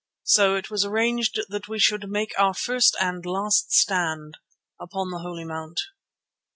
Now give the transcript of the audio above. So it was arranged that we should make our first and last stand upon the Holy Mount.